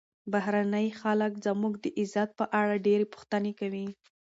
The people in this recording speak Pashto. بهرني خلک زموږ د عزت په اړه ډېرې پوښتنې کوي.